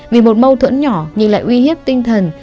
vì một mâu thuẫn nhỏ nhưng lại uy hiếp tinh thần